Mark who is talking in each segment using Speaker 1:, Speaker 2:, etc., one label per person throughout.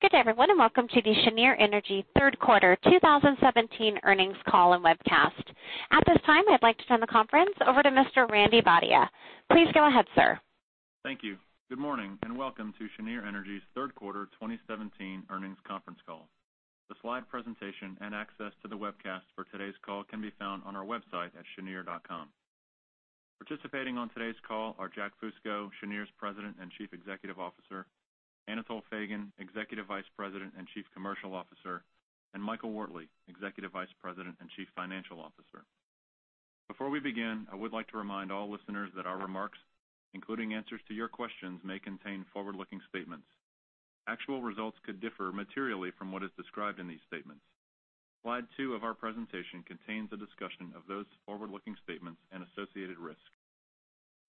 Speaker 1: Good day, everyone, and welcome to the Cheniere Energy third quarter 2017 earnings call and webcast. At this time, I'd like to turn the conference over to Mr. Randy Bhatia. Please go ahead, sir.
Speaker 2: Thank you. Good morning and welcome to Cheniere Energy's third quarter 2017 earnings conference call. The slide presentation and access to the webcast for today's call can be found on our website at cheniere.com. Participating on today's call are Jack Fusco, Cheniere's President and Chief Executive Officer, Anatol Feygin, Executive Vice President and Chief Commercial Officer, and Michael Wortley, Executive Vice President and Chief Financial Officer. Before we begin, I would like to remind all listeners that our remarks, including answers to your questions, may contain forward-looking statements. Actual results could differ materially from what is described in these statements. Slide two of our presentation contains a discussion of those forward-looking statements and associated risks.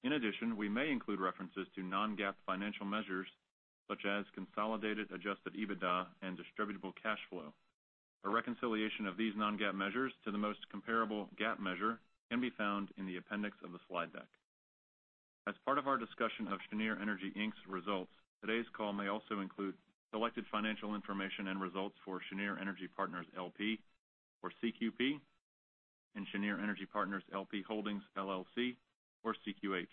Speaker 2: In addition, we may include references to non-GAAP financial measures such as consolidated adjusted EBITDA and distributable cash flow. A reconciliation of these non-GAAP measures to the most comparable GAAP measure can be found in the appendix of the slide deck. As part of our discussion of Cheniere Energy, Inc.'s results, today's call may also include selected financial information and results for Cheniere Energy Partners, L.P. or CQP, and Cheniere Energy Partners LP Holdings, LLC or CQH.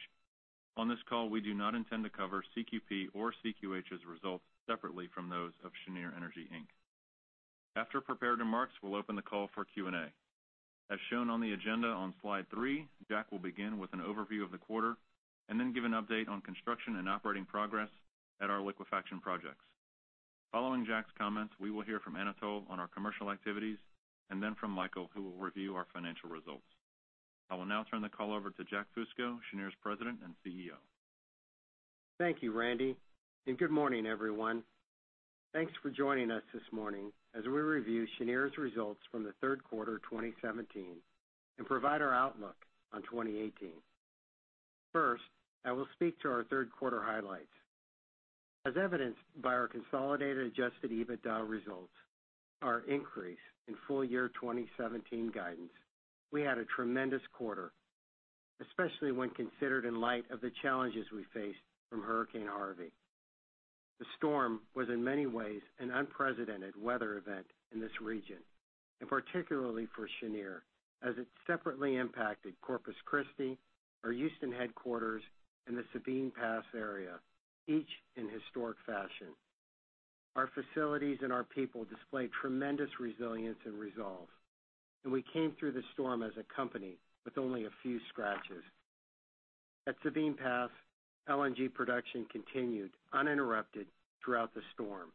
Speaker 2: On this call, we do not intend to cover CQP or CQH's results separately from those of Cheniere Energy, Inc. After prepared remarks, we'll open the call for Q&A. As shown on the agenda on slide three, Jack will begin with an overview of the quarter and then give an update on construction and operating progress at our liquefaction projects. Following Jack's comments, we will hear from Anatol on our commercial activities and then from Michael, who will review our financial results. I will now turn the call over to Jack Fusco, Cheniere's President and CEO.
Speaker 3: Thank you, Randy, good morning, everyone. Thanks for joining us this morning as we review Cheniere's results from the third quarter 2017 and provide our outlook on 2018. First, I will speak to our third quarter highlights. As evidenced by our consolidated adjusted EBITDA results, our increase in full-year 2017 guidance, we had a tremendous quarter, especially when considered in light of the challenges we faced from Hurricane Harvey. The storm was in many ways an unprecedented weather event in this region, particularly for Cheniere, as it separately impacted Corpus Christi, our Houston headquarters, and the Sabine Pass area, each in historic fashion. Our facilities and our people displayed tremendous resilience and resolve, we came through the storm as a company with only a few scratches. At Sabine Pass, LNG production continued uninterrupted throughout the storm.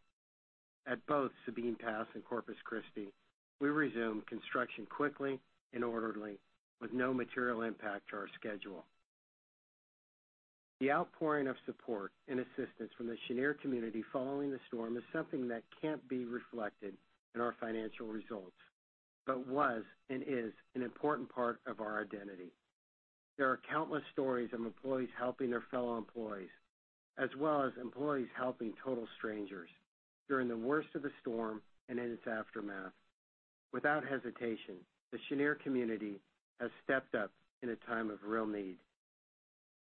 Speaker 3: At both Sabine Pass and Corpus Christi, we resumed construction quickly and orderly with no material impact to our schedule. The outpouring of support and assistance from the Cheniere community following the storm is something that can't be reflected in our financial results, was and is an important part of our identity. There are countless stories of employees helping their fellow employees, as well as employees helping total strangers during the worst of the storm and in its aftermath. Without hesitation, the Cheniere community has stepped up in a time of real need.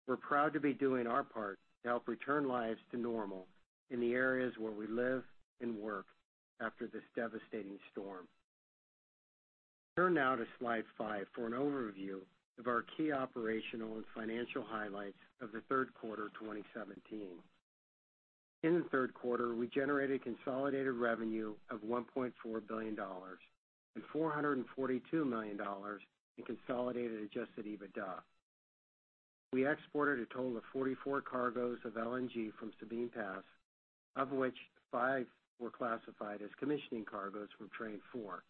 Speaker 3: We're proud to be doing our part to help return lives to normal in the areas where we live and work after this devastating storm. Turn now to slide five for an overview of our key operational and financial highlights of the third quarter 2017. In the third quarter, we generated consolidated revenue of $1.4 billion and $442 million in consolidated adjusted EBITDA. We exported a total of 44 cargoes of LNG from Sabine Pass, of which five were classified as commissioning cargoes from train 4.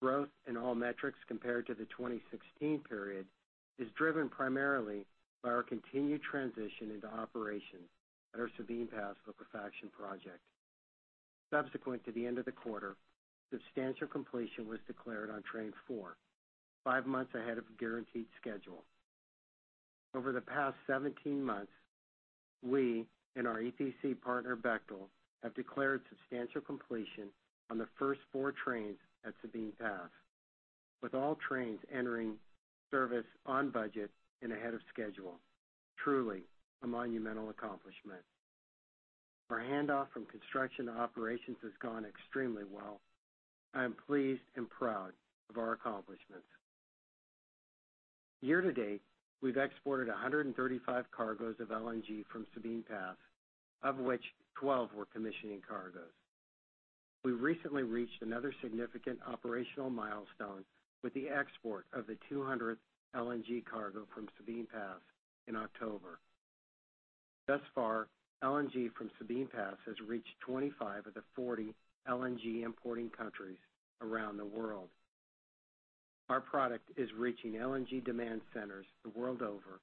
Speaker 3: Growth in all metrics compared to the 2016 period is driven primarily by our continued transition into operations at our Sabine Pass liquefaction project. Subsequent to the end of the quarter, substantial completion was declared on train 4, five months ahead of guaranteed schedule. Over the past 17 months, we and our EPC partner, Bechtel, have declared substantial completion on the first 4 trains at Sabine Pass, with all trains entering service on budget and ahead of schedule. Truly a monumental accomplishment. Our handoff from construction to operations has gone extremely well. I am pleased and proud of our accomplishments. Year to date, we've exported 135 cargoes of LNG from Sabine Pass, of which 12 were commissioning cargoes. We recently reached another significant operational milestone with the export of the 200th LNG cargo from Sabine Pass in October. Thus far, LNG from Sabine Pass has reached 25 of the 40 LNG importing countries around the world. Our product is reaching LNG demand centers the world over,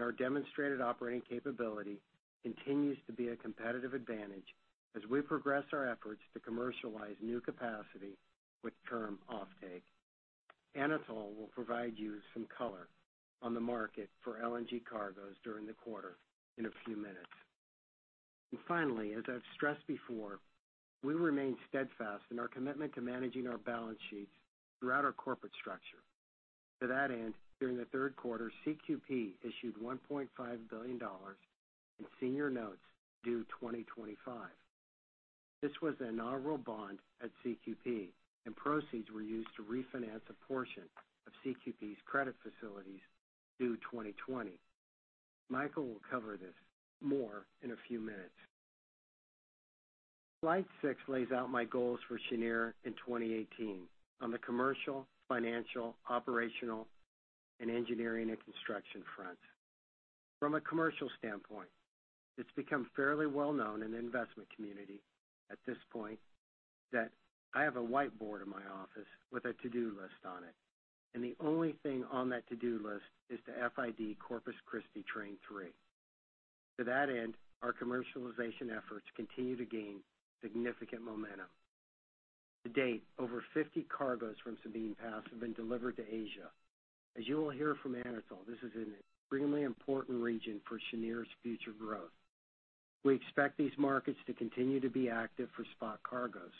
Speaker 3: our demonstrated operating capability continues to be a competitive advantage as we progress our efforts to commercialize new capacity with term offtake. Anatol will provide you some color on the market for LNG cargoes during the quarter in a few minutes. Finally, as I've stressed before, we remain steadfast in our commitment to managing our balance sheets throughout our corporate structure. To that end, during the third quarter, CQP issued $1.5 billion in senior notes due 2025. This was an inaugural bond at CQP, and proceeds were used to refinance a portion of CQP's credit facilities due 2020. Michael will cover this more in a few minutes. Slide six lays out my goals for Cheniere in 2018 on the commercial, financial, operational, and engineering and construction front. From a commercial standpoint, it's become fairly well-known in the investment community at this point that I have a whiteboard in my office with a to-do list on it, and the only thing on that to-do list is to FID Corpus Christi Train 3. To that end, our commercialization efforts continue to gain significant momentum. To date, over 50 cargoes from Sabine Pass have been delivered to Asia. As you will hear from Anatol, this is an extremely important region for Cheniere's future growth. We expect these markets to continue to be active for spot cargoes.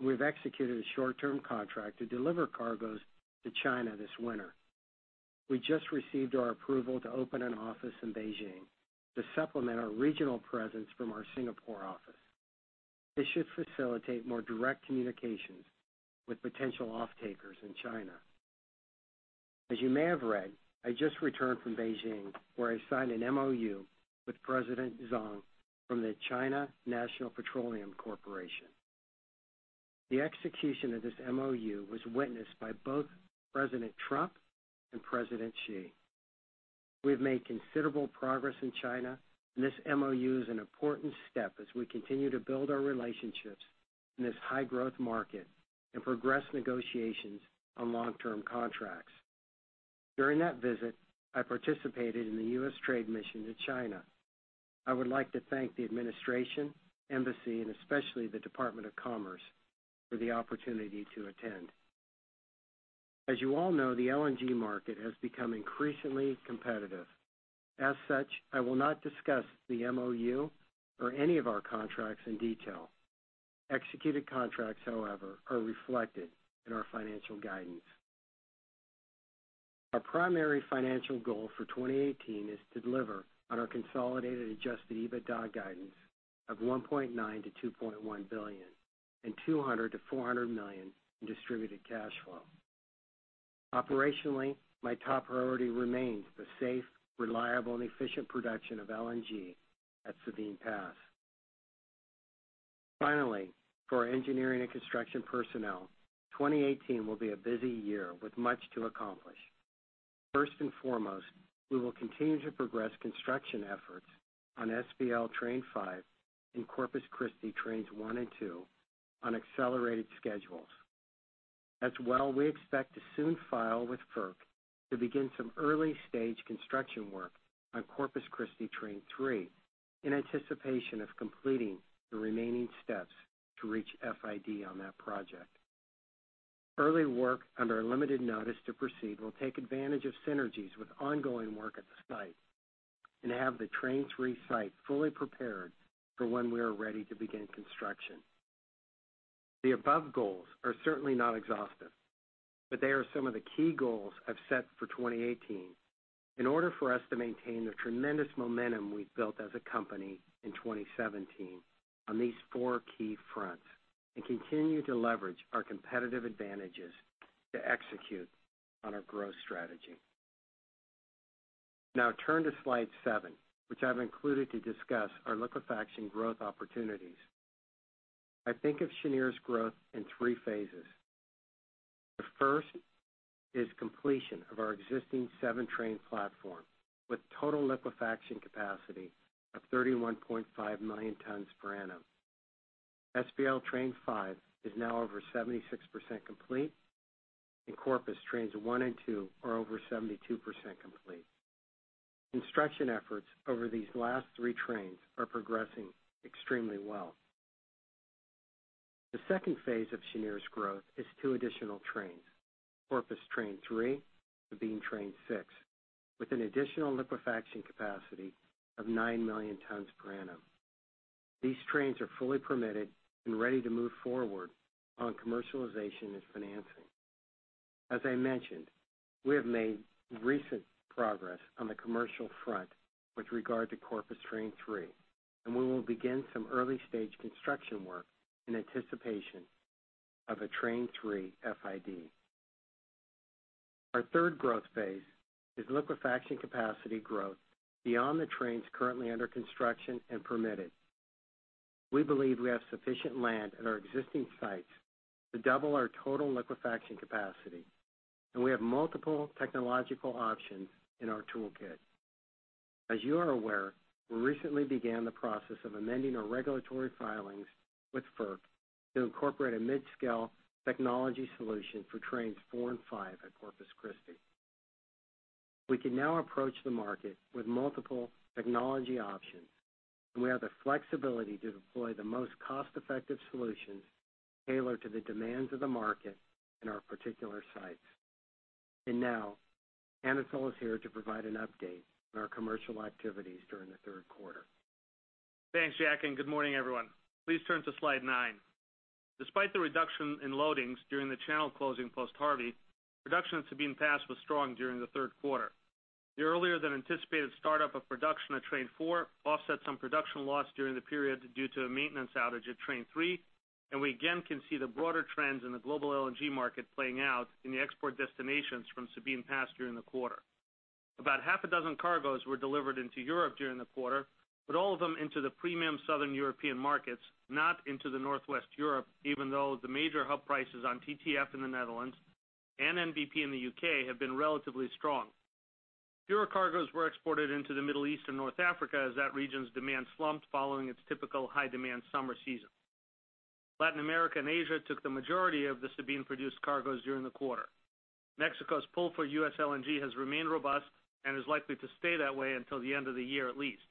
Speaker 3: We've executed a short-term contract to deliver cargoes to China this winter. We just received our approval to open an office in Beijing to supplement our regional presence from our Singapore office. This should facilitate more direct communications with potential off-takers in China. As you may have read, I just returned from Beijing, where I signed an MOU with President Zhang from the China National Petroleum Corporation. The execution of this MOU was witnessed by both President Trump and President Xi. We have made considerable progress in China, and this MOU is an important step as we continue to build our relationships in this high-growth market and progress negotiations on long-term contracts. During that visit, I participated in the U.S. Trade Mission to China. I would like to thank the administration, embassy, and especially the Department of Commerce for the opportunity to attend. As you all know, the LNG market has become increasingly competitive. As such, I will not discuss the MOU or any of our contracts in detail. Executed contracts, however, are reflected in our financial guidance. Our primary financial goal for 2018 is to deliver on our consolidated adjusted EBITDA guidance of $1.9 billion to $2.1 billion and $200 million to $400 million in distributed cash flow. Operationally, my top priority remains the safe, reliable, and efficient production of LNG at Sabine Pass. Finally, for our engineering and construction personnel, 2018 will be a busy year with much to accomplish. First and foremost, we will continue to progress construction efforts on SPL Train 5 and Corpus Christi Trains 1 and 2 on accelerated schedules. As well, we expect to soon file with FERC to begin some early-stage construction work on Corpus Christi Train 3 in anticipation of completing the remaining steps to reach FID on that project. Early work under a limited notice to proceed will take advantage of synergies with ongoing work at the site and have the Train 3 site fully prepared for when we are ready to begin construction. The above goals are certainly not exhaustive, but they are some of the key goals I've set for 2018 in order for us to maintain the tremendous momentum we've built as a company in 2017 on these four key fronts and continue to leverage our competitive advantages to execute on our growth strategy. Now I turn to slide seven, which I've included to discuss our liquefaction growth opportunities. I think of Cheniere's growth in three phases. The first is completion of our existing seven-train platform with total liquefaction capacity of 31.5 million tons per annum. SPL Train five is now over 76% complete, and Corpus Trains one and two are over 72% complete. Construction efforts over these last three trains are progressing extremely well. The second phase of Cheniere's growth is two additional trains, Corpus Train three, Sabine Train six, with an additional liquefaction capacity of nine million tons per annum. These trains are fully permitted and ready to move forward on commercialization and financing. As I mentioned, we have made recent progress on the commercial front with regard to Corpus Train three, and we will begin some early-stage construction work in anticipation of a Train three FID. Our third growth phase is liquefaction capacity growth beyond the trains currently under construction and permitted. We believe we have sufficient land at our existing sites to double our total liquefaction capacity, and we have multiple technological options in our toolkit. As you are aware, we recently began the process of amending our regulatory filings with FERC to incorporate a mid-scale technology solution for Trains four and five at Corpus Christi. We can now approach the market with multiple technology options, and we have the flexibility to deploy the most cost-effective solutions tailored to the demands of the market and our particular sites. Now, Anatol is here to provide an update on our commercial activities during the third quarter
Speaker 4: Thanks, Jack, and good morning, everyone. Please turn to slide nine. Despite the reduction in loadings during the channel closing post-Harvey, production at Sabine Pass was strong during the third quarter. The earlier-than-anticipated start-up of production at Train four offset some production loss during the period due to a maintenance outage at Train three. We again can see the broader trends in the global LNG market playing out in the export destinations from Sabine Pass during the quarter. About half a dozen cargoes were delivered into Europe during the quarter, with all of them into the premium Southern European markets, not into the Northwest Europe, even though the major hub prices on TTF in the Netherlands and NBP in the U.K. have been relatively strong. Fewer cargoes were exported into the Middle East and North Africa as that region's demand slumped following its typical high-demand summer season. Latin America and Asia took the majority of the Sabine-produced cargoes during the quarter. Mexico's pull for U.S. LNG has remained robust and is likely to stay that way until the end of the year at least.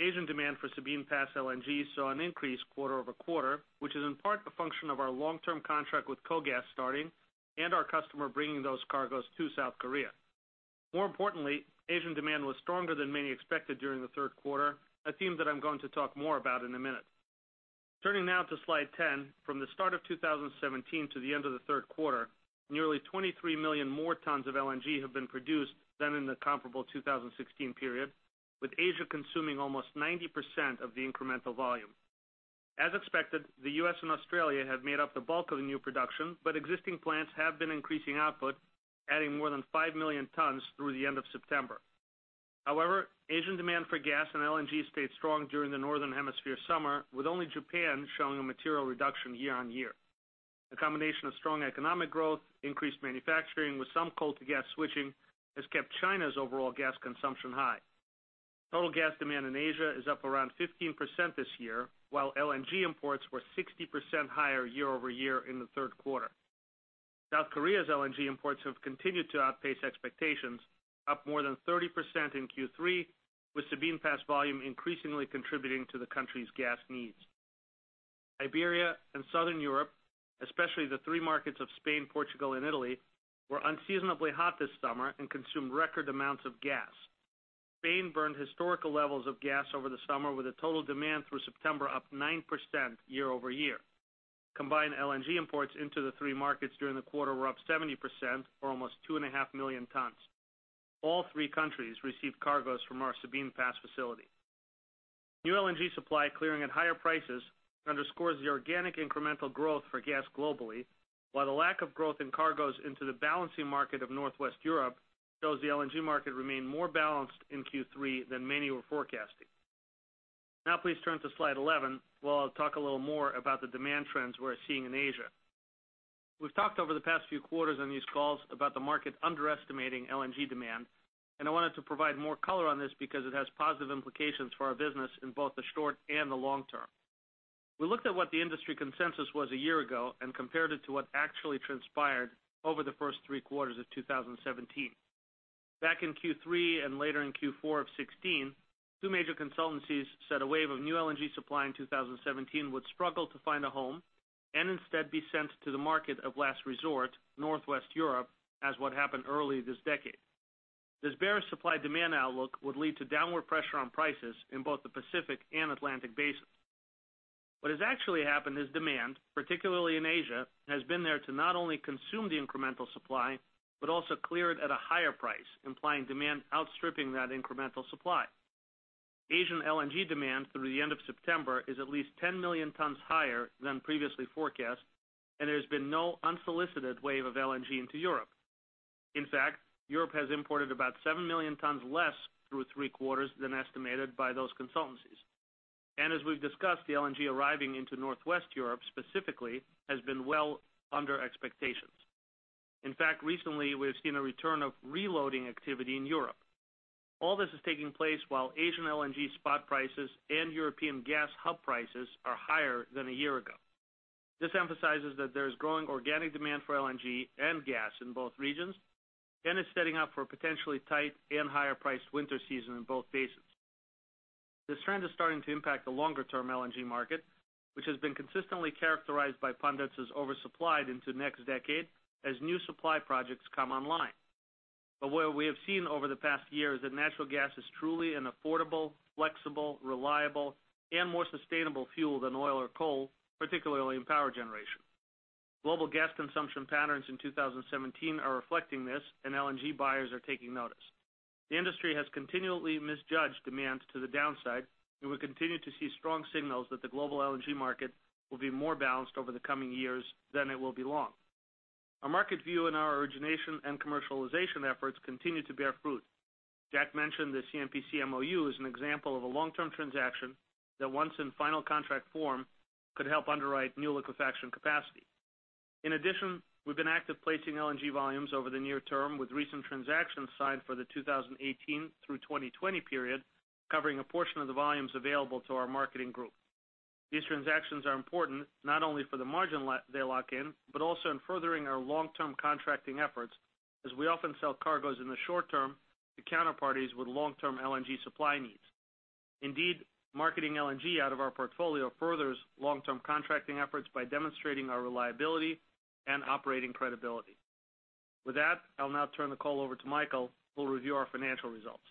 Speaker 4: Asian demand for Sabine Pass LNG saw an increase quarter-over-quarter, which is in part a function of our long-term contract with KOGAS starting and our customer bringing those cargoes to South Korea. More importantly, Asian demand was stronger than many expected during the third quarter, a theme that I'm going to talk more about in a minute. Turning now to slide 10, from the start of 2017 to the end of the third quarter, nearly 23 million more tons of LNG have been produced than in the comparable 2016 period, with Asia consuming almost 90% of the incremental volume. As expected, the U.S. and Australia have made up the bulk of the new production, but existing plants have been increasing output, adding more than 5 million tons through the end of September. However, Asian demand for gas and LNG stayed strong during the Northern Hemisphere summer, with only Japan showing a material reduction year-on-year. A combination of strong economic growth, increased manufacturing with some coal-to-gas switching has kept China's overall gas consumption high. Total gas demand in Asia is up around 15% this year, while LNG imports were 60% higher year-over-year in the third quarter. South Korea's LNG imports have continued to outpace expectations, up more than 30% in Q3, with Sabine Pass volume increasingly contributing to the country's gas needs. Iberia and Southern Europe, especially the three markets of Spain, Portugal, and Italy, were unseasonably hot this summer and consumed record amounts of gas. Spain burned historical levels of gas over the summer with the total demand through September up 9% year-over-year. Combined LNG imports into the three markets during the quarter were up 70%, or almost two and a half million tons. All three countries received cargoes from our Sabine Pass facility. New LNG supply clearing at higher prices underscores the organic incremental growth for gas globally, while the lack of growth in cargoes into the balancing market of Northwest Europe shows the LNG market remained more balanced in Q3 than many were forecasting. Please turn to slide 11 while I'll talk a little more about the demand trends we're seeing in Asia. We've talked over the past few quarters on these calls about the market underestimating LNG demand, and I wanted to provide more color on this because it has positive implications for our business in both the short and the long term. We looked at what the industry consensus was a year ago and compared it to what actually transpired over the first three quarters of 2017. Back in Q3 and later in Q4 of 2016, two major consultancies said a wave of new LNG supply in 2017 would struggle to find a home and instead be sent to the market of last resort, Northwest Europe, as what happened early this decade. This bearish supply-demand outlook would lead to downward pressure on prices in both the Pacific and Atlantic Basins. What has actually happened is demand, particularly in Asia, has been there to not only consume the incremental supply, but also clear it at a higher price, implying demand outstripping that incremental supply. Asian LNG demand through the end of September is at least 10 million tons higher than previously forecast. There's been no unsolicited wave of LNG into Europe. In fact, Europe has imported about 7 million tons less through three quarters than estimated by those consultancies. As we've discussed, the LNG arriving into Northwest Europe specifically has been well under expectations. In fact, recently, we've seen a return of reloading activity in Europe. All this is taking place while Asian LNG spot prices and European gas hub prices are higher than a year ago. This emphasizes that there's growing organic demand for LNG and gas in both regions and is setting up for a potentially tight and higher-priced winter season in both basins. This trend is starting to impact the longer-term LNG market, which has been consistently characterized by pundits as oversupplied into next decade as new supply projects come online. What we have seen over the past year is that natural gas is truly an affordable, flexible, reliable, and more sustainable fuel than oil or coal, particularly in power generation. Global gas consumption patterns in 2017 are reflecting this, and LNG buyers are taking notice. The industry has continually misjudged demand to the downside, and we continue to see strong signals that the global LNG market will be more balanced over the coming years than it will be long. Our market view and our origination and commercialization efforts continue to bear fruit. Jack mentioned the CNPC MOU as an example of a long-term transaction that once in final contract form, could help underwrite new liquefaction capacity. In addition, we've been active placing LNG volumes over the near term with recent transactions signed for the 2018 through 2020 period, covering a portion of the volumes available to our marketing group. These transactions are important not only for the margin they lock in, but also in furthering our long-term contracting efforts as we often sell cargoes in the short term to counterparties with long-term LNG supply needs. Indeed, marketing LNG out of our portfolio furthers long-term contracting efforts by demonstrating our reliability and operating credibility. With that, I'll now turn the call over to Michael, who will review our financial results.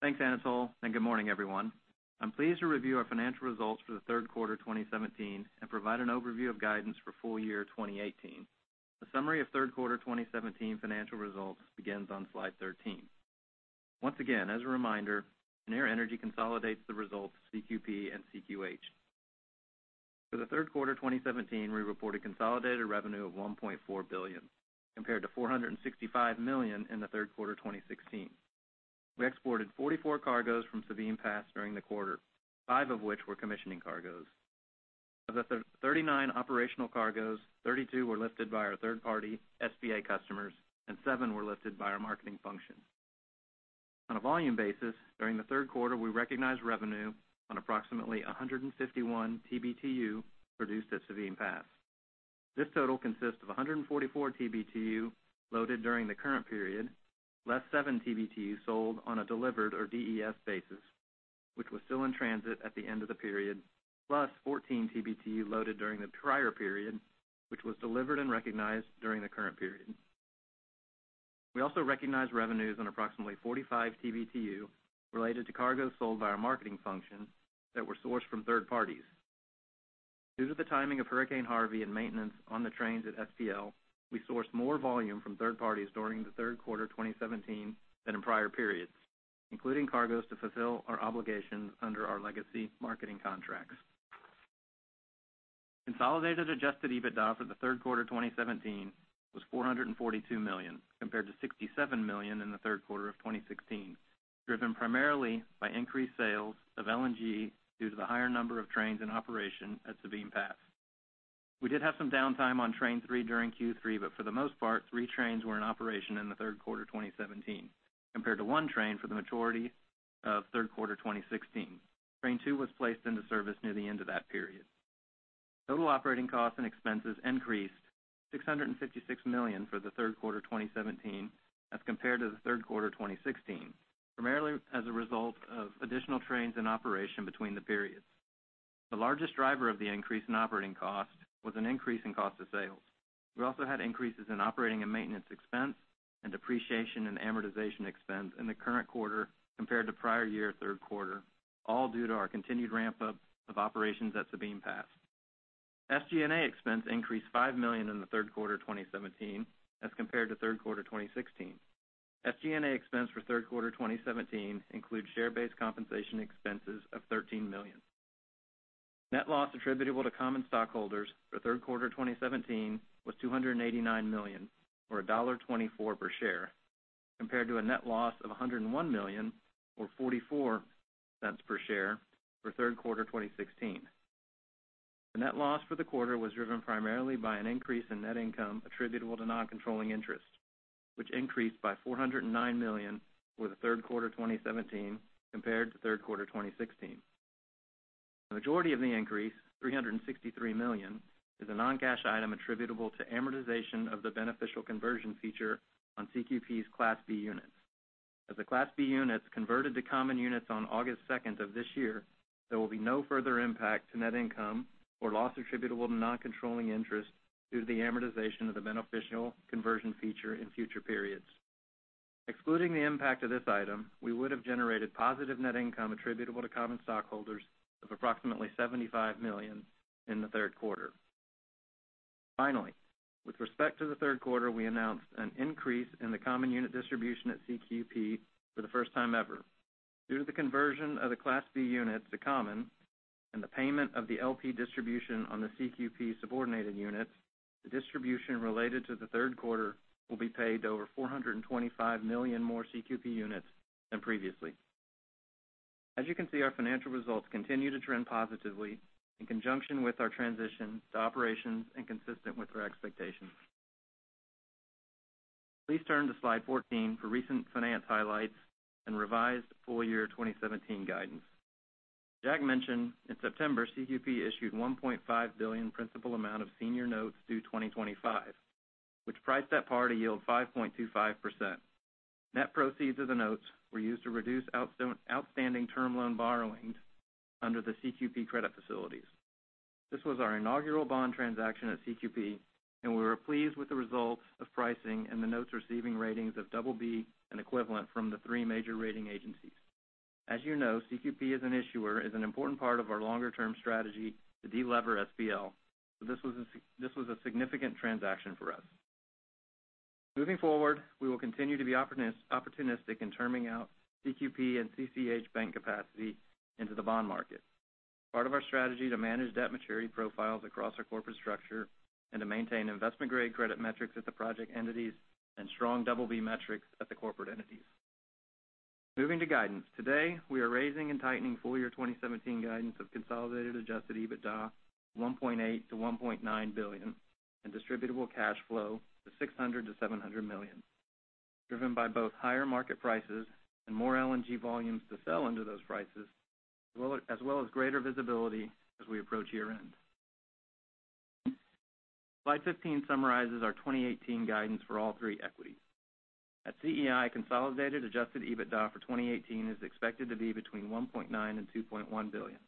Speaker 5: Thanks, Anatol, and good morning, everyone. I'm pleased to review our financial results for the third quarter 2017 and provide an overview of guidance for full year 2018. A summary of third quarter 2017 financial results begins on slide 13. Once again, as a reminder, Cheniere Energy consolidates the results of CQP and CQH. For the third quarter 2017, we reported consolidated revenue of $1.4 billion, compared to $465 million in the third quarter 2016. We exported 44 cargoes from Sabine Pass during the quarter, five of which were commissioning cargoes. Of the 39 operational cargoes, 32 were lifted by our third party SPA customers, and seven were lifted by our marketing function. On a volume basis, during the third quarter, we recognized revenue on approximately 151 TBtu produced at Sabine Pass. This total consists of 144 TBtu loaded during the current period, less seven TBtu sold on a delivered or DES basis, which was still in transit at the end of the period, plus 14 TBtu loaded during the prior period, which was delivered and recognized during the current period. We also recognized revenues on approximately 45 TBtu related to cargoes sold by our marketing function that were sourced from third parties. Due to the timing of Hurricane Harvey and maintenance on the trains at SPL, we sourced more volume from third parties during the third quarter 2017 than in prior periods, including cargoes to fulfill our obligations under our legacy marketing contracts. Consolidated adjusted EBITDA for the third quarter 2017 was $442 million, compared to $67 million in the third quarter of 2016, driven primarily by increased sales of LNG due to the higher number of trains in operation at Sabine Pass. We did have some downtime on Train 3 during Q3, but for the most part, 3 trains were in operation in the third quarter 2017, compared to 1 train for the majority of third quarter 2016. Train 2 was placed into service near the end of that period. Total operating costs and expenses increased to $656 million for the third quarter 2017 as compared to the third quarter 2016, primarily as a result of additional trains in operation between the periods. The largest driver of the increase in operating cost was an increase in cost of sales. We also had increases in operating and maintenance expense and depreciation and amortization expense in the current quarter compared to prior year third quarter, all due to our continued ramp-up of operations at Sabine Pass. SG&A expense increased $5 million in the third quarter 2017 as compared to third quarter 2016. SG&A expense for third quarter 2017 includes share-based compensation expenses of $13 million. Net loss attributable to common stockholders for third quarter 2017 was $289 million, or $1.24 per share, compared to a net loss of $101 million, or $0.44 per share for third quarter 2016. The net loss for the quarter was driven primarily by an increase in net income attributable to non-controlling interest, which increased by $409 million for the third quarter 2017 compared to third quarter 2016. The majority of the increase, $363 million, is a non-cash item attributable to amortization of the beneficial conversion feature on CQP's Class B units. As the Class B units converted to common units on August 2nd of this year, there will be no further impact to net income or loss attributable to non-controlling interest due to the amortization of the beneficial conversion feature in future periods. Excluding the impact of this item, we would have generated positive net income attributable to common stockholders of approximately $75 million in the third quarter. Finally, with respect to the third quarter, we announced an increase in the common unit distribution at CQP for the first time ever. Due to the conversion of the Class B units to common and the payment of the LP distribution on the CQP subordinated units, the distribution related to the third quarter will be paid to over 425 million more CQP units than previously. As you can see, our financial results continue to trend positively in conjunction with our transition to operations and consistent with our expectations. Please turn to slide 14 for recent finance highlights and revised full year 2017 guidance. Jack mentioned, in September, CQP issued $1.5 billion principal amount of senior notes due 2025, which priced at par to yield 5.25%. Net proceeds of the notes were used to reduce outstanding term loan borrowings under the CQP credit facilities. This was our inaugural bond transaction at CQP. We were pleased with the results of pricing and the notes receiving ratings of BB and equivalent from the three major rating agencies. As you know, CQP as an issuer is an important part of our longer-term strategy to de-lever SPL. This was a significant transaction for us. Moving forward, we will continue to be opportunistic in terming out CQP and CCH bank capacity into the bond market, part of our strategy to manage debt maturity profiles across our corporate structure and to maintain investment-grade credit metrics at the project entities and strong BB metrics at the corporate entities. Moving to guidance. Today, we are raising and tightening full-year 2017 guidance of consolidated adjusted EBITDA of $1.8 billion-$1.9 billion and distributable cash flow to $600 million-$700 million, driven by both higher market prices and more LNG volumes to sell into those prices, as well as greater visibility as we approach year-end. Slide 15 summarizes our 2018 guidance for all three equities. At CEI, consolidated adjusted EBITDA for 2018 is expected to be between $1.9 billion and $2.1 billion,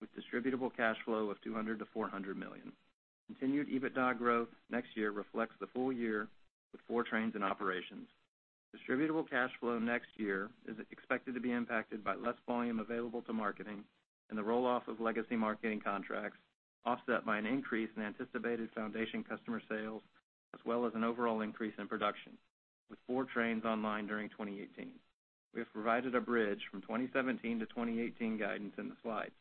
Speaker 5: with distributable cash flow of $200 million-$400 million. Continued EBITDA growth next year reflects the full year with four trains in operations. Distributable cash flow next year is expected to be impacted by less volume available to marketing and the roll-off of legacy marketing contracts, offset by an increase in anticipated foundation customer sales, as well as an overall increase in production, with four trains online during 2018. We have provided a bridge from 2017 to 2018 guidance in the slides.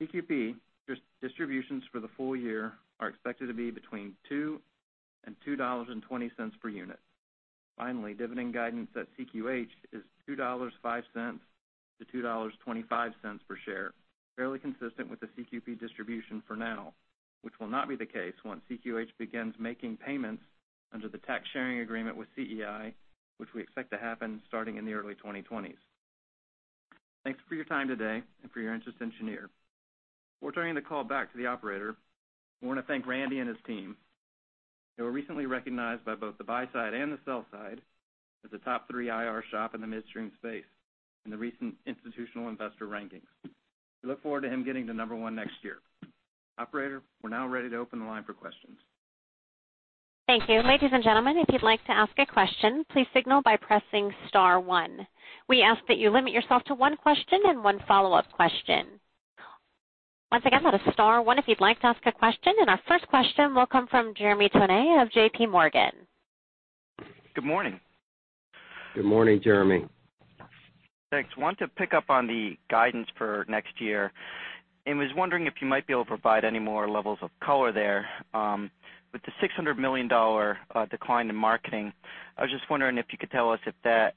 Speaker 5: CQP distributions for the full year are expected to be between $2.00 and $2.20 per unit. Finally, dividend guidance at CQH is $2.05-$2.25 per share. Fairly consistent with the CQP distribution for now, which will not be the case once CQH begins making payments under the tax sharing agreement with CEI, which we expect to happen starting in the early 2020s. Thanks for your time today and for your interest in Cheniere. We're turning the call back to the operator. We want to thank Randy and his team, who were recently recognized by both the buy side and the sell side as a top three IR shop in the midstream space in the recent Institutional Investor rankings. We look forward to him getting to number one next year. Operator, we're now ready to open the line for questions.
Speaker 1: Thank you. Ladies and gentlemen, if you'd like to ask a question, please signal by pressing star one. We ask that you limit yourself to one question and one follow-up question. Once again, that is star one if you'd like to ask a question, and our first question will come from Jeremy Tonet of J.P. Morgan.
Speaker 6: Good morning.
Speaker 3: Good morning, Jeremy.
Speaker 6: Thanks. Wanted to pick up on the guidance for next year and was wondering if you might be able to provide any more levels of color there. With the $600 million decline in marketing, I was just wondering if you could tell us if that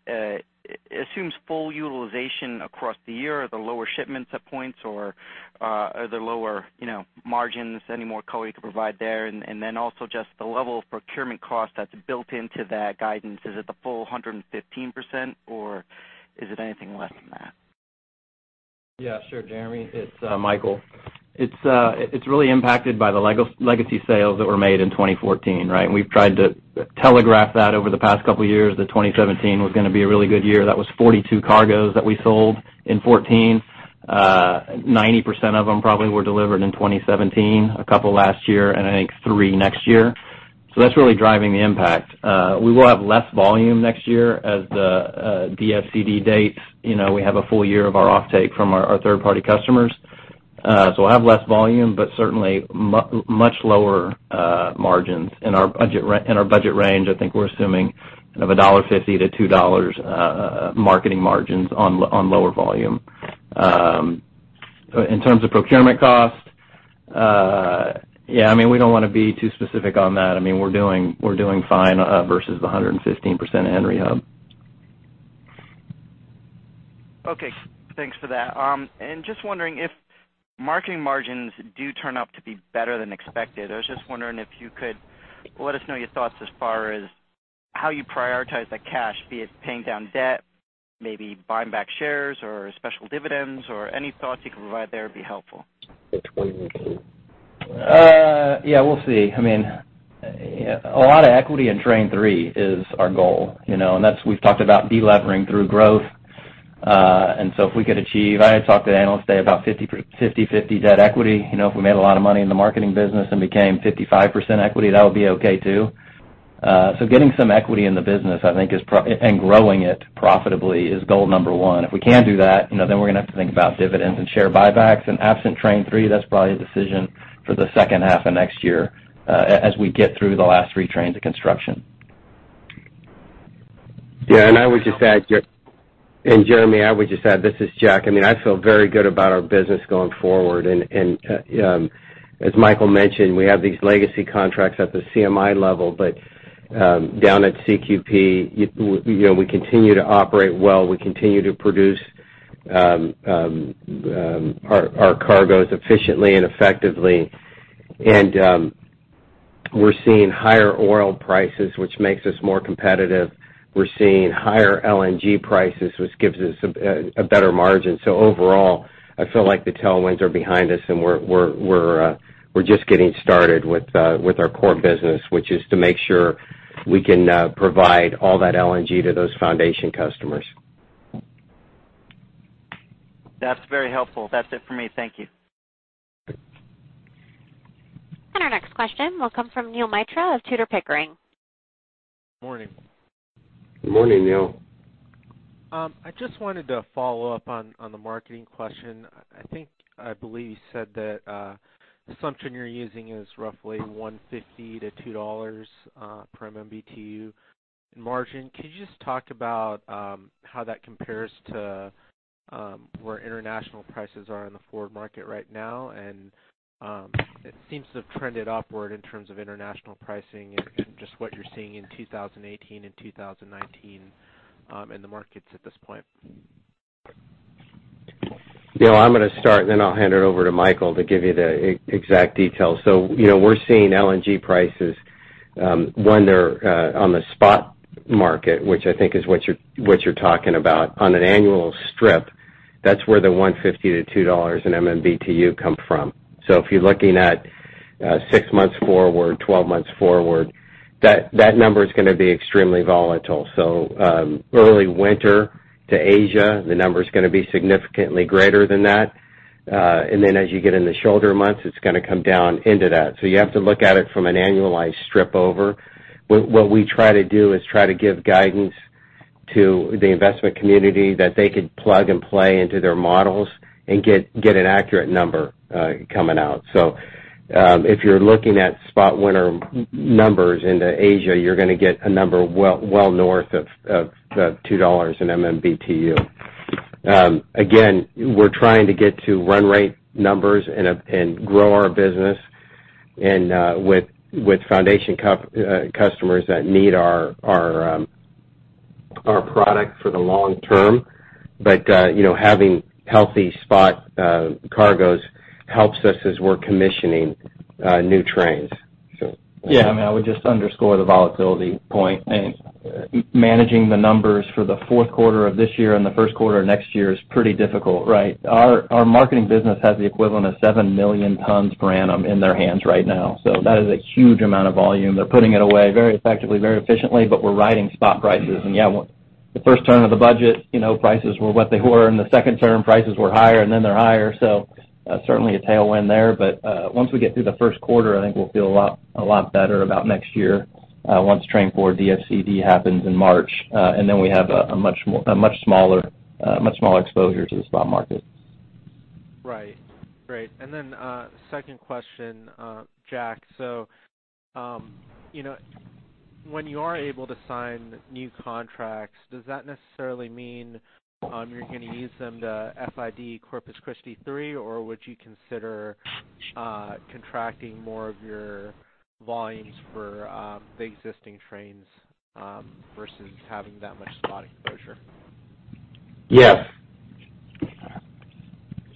Speaker 6: assumes full utilization across the year or the lower shipments at points, or are there lower margins? Any more color you could provide there. Also just the level of procurement cost that's built into that guidance. Is it the full 115%, or is it anything less than that?
Speaker 5: Sure, Jeremy. It's Michael. It's really impacted by the legacy sales that were made in 2014, right? We've tried to telegraph that over the past couple of years that 2017 was going to be a really good year. That was 42 cargoes that we sold in 2014. 90% of them probably were delivered in 2017, a couple last year, and I think three next year. That's really driving the impact. We will have less volume next year as the DFCD dates. We have a full year of our offtake from our third-party customers. We'll have less volume, but certainly much lower margins. In our budget range, I think we're assuming of $1.50 to $2 marketing margins on lower volume. In terms of procurement cost, we don't want to be too specific on that. We're doing fine versus the 115% Henry Hub.
Speaker 6: Okay. Thanks for that. Just wondering, if marketing margins do turn out to be better than expected, I was just wondering if you could let us know your thoughts as far as how you prioritize that cash, be it paying down debt, maybe buying back shares, or special dividends, or any thoughts you can provide there would be helpful.
Speaker 3: It's what we can.
Speaker 5: We'll see. A lot of equity in Train 3 is our goal. We've talked about de-levering through growth. If we could achieve, I had talked to analysts today about 50/50 debt equity. If we made a lot of money in the marketing business and became 55% equity, that would be okay, too. Getting some equity in the business and growing it profitably is goal number one. If we can't do that, we're going to have to think about dividends and share buybacks. Absent Train 3, that's probably a decision for the second half of next year as we get through the last three trains of construction.
Speaker 3: Jeremy, I would just add, this is Jack. I feel very good about our business going forward. As Michael mentioned, we have these legacy contracts at the CMI level, but down at CQP, we continue to operate well. We continue to produce our cargoes efficiently and effectively. We're seeing higher oil prices, which makes us more competitive. We're seeing higher LNG prices, which gives us a better margin. Overall, I feel like the tailwinds are behind us, and we're just getting started with our core business, which is to make sure we can provide all that LNG to those foundation customers.
Speaker 6: That's very helpful. That's it for me. Thank you.
Speaker 1: Our next question will come from Neel Mitra of Tudor, Pickering.
Speaker 7: Morning.
Speaker 3: Morning, Neel.
Speaker 7: I just wanted to follow up on the marketing question. I believe you said that the assumption you're using is roughly $1.50-$2 per MMBtu in margin. Could you just talk about how that compares to where international prices are in the forward market right now? It seems to have trended upward in terms of international pricing and just what you're seeing in 2018 and 2019 in the markets at this point.
Speaker 3: Neel, I'm going to start, and then I'll hand it over to Michael to give you the exact details. We're seeing LNG prices when they're on the spot market, which I think is what you're talking about on an annual strip. That's where the $1.50-$2 in MMBtu come from. If you're looking at six months forward, 12 months forward, that number is going to be extremely volatile. Early winter to Asia, the number's going to be significantly greater than that. As you get in the shoulder months, it's going to come down into that. You have to look at it from an annualized strip over. What we try to do is try to give guidance to the investment community that they could plug and play into their models and get an accurate number coming out. If you're looking at spot winter numbers into Asia, you're going to get a number well north of $2 in MMBtu. Again, we're trying to get to run rate numbers and grow our business and with foundation customers that need our product for the long term. Having healthy spot cargoes helps us as we're commissioning new trains.
Speaker 5: Yeah, I would just underscore the volatility point. Managing the numbers for the fourth quarter of this year and the first quarter of next year is pretty difficult, right? Our marketing business has the equivalent of 7 million tons per annum in their hands right now. That is a huge amount of volume. They're putting it away very effectively, very efficiently, but we're riding spot prices. Yeah, the first term of the budget, prices were what they were. In the second term, prices were higher, and then they're higher. Certainly a tailwind there. Once we get through the first quarter, I think we'll feel a lot better about next year once Train 4 DFCD happens in March, and then we have a much smaller exposure to the spot market.
Speaker 7: Right. Great. Second question, Jack. When you are able to sign new contracts, does that necessarily mean you're going to use them to FID Corpus Christi 3, or would you consider contracting more of your volumes for the existing trains versus having that much spot exposure?
Speaker 3: Yes.